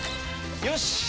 よし！